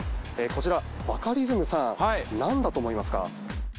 こちらバカリズムさん何だと思いますか？